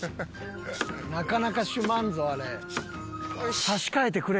なかなかしゅまんぞあれ。